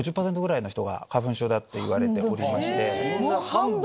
半分！